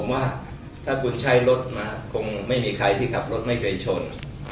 ผมว่าถ้าคุณใช้รถมาคงไม่มีใครที่ขับรถไม่เคยชน